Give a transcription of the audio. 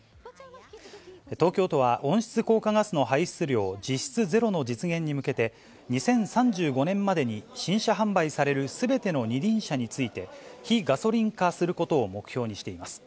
東京都は、温室効果ガスの排出量実質ゼロの実現に向けて、２０３５年までに新車販売されるすべての二輪車について、非ガソリン化することを目標にしています。